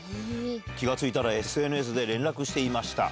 気が付いたらＳＮＳで連絡していました。